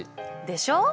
でしょう？